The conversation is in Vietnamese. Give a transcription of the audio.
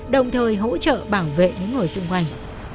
đồng thời hỗ trợ bảo vệ những người xung quanh